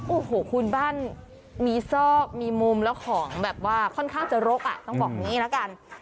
โอ้โหคุณบ้านมีซอกมีมุมแล้วของแบบว่าค่อนข้างจะรกอ่ะต้องบอกอย่างนี้ละกัน